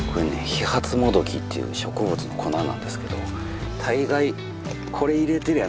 ヒハツモドキっていう植物の粉なんですけど大概これ入れてりゃ